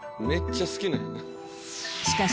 「めっちゃ好きなんやな」